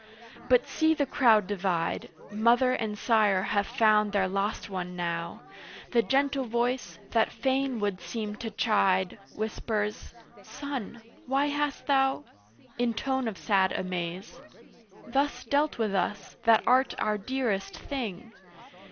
But see the crowd divide: Mother and sire have found their lost one now: The gentle voice, that fain would seem to chide Whispers "Son, why hast thou" In tone of sad amaze "Thus dealt with us, that art our dearest thing?